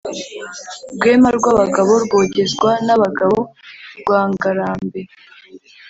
Rwema rw’abagabo rwogezwa n’abagabo rwa Ngarambe,